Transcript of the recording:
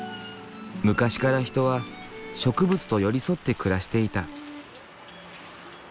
昔から人は植物と寄り添って暮らしていた。